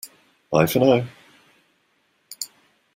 Bye for now!